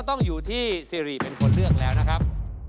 กับพอรู้ดวงชะตาของเขาแล้วนะครับ